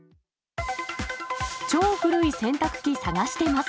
超古い洗濯機探しています。